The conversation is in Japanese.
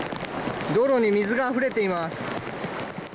道路に水があふれています。